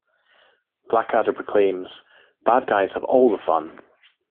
Blackadder proclaims, Bad guys have all the fun.